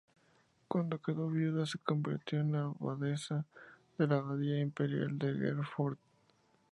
Cuando quedó viuda, se convirtió en Abadesa de la Abadía Imperial de Herford.